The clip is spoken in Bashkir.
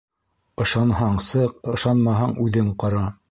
Ышанһаң - сыҡ, ышанмаһаң - үҙең ҡара.